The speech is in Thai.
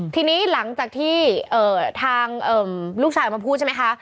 ทีนี้หลังจากที่ทางลูกชายมาพูดใช่ไหมคะ